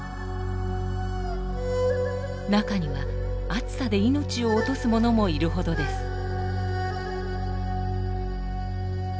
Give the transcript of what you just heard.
中には暑さで命を落とすものもいるほどです。